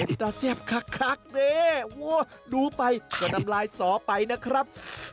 เอ็ดเตอร์แซ่บคักเน่ดูไปก็นำลายสอไปนะครับ